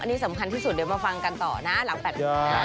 อันนี้สำคัญที่สุดเดี๋ยวมาฟังกันต่อนะหลัง๘เดือน